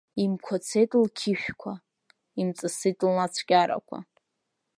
Имқәацеит лқьышәқәа, имҵысит лнацәкьарақәа.